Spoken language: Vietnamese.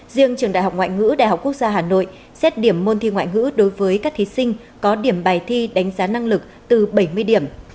riêng trường đại học ngoại ngữ đại học quốc gia hà nội xét điểm môn thi ngoại ngữ đối với các thí sinh có điểm bài thi đánh giá năng lực từ bảy mươi điểm